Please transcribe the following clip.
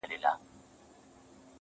د اسرافیل شپېلۍ ته اور ورته کومه ځمه,